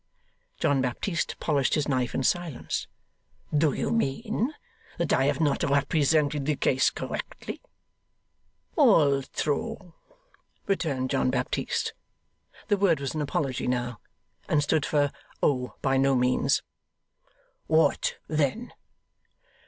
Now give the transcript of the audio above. John Baptist polished his knife in silence. 'Do you mean that I have not represented the case correctly?' 'Al tro!' returned John Baptist. The word was an apology now, and stood for 'Oh, by no means!' 'What then?